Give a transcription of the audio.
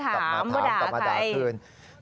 กลับมาถามกลับมาด่าใคร